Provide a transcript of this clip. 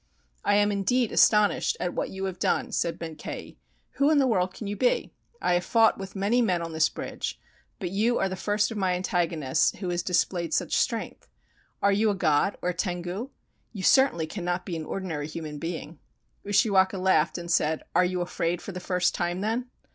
"I am, indeed, astonished at what you have done," said Benkei. "Who in the world can you be? I have fought with many men on this bridge, but you are the first of my antagonists who has displayed such strength. Are you a god or a tengu? You certainly cannot be an ordinary human being!" Ushiwaka laughed and said: "Are you afraid for the first time, then?"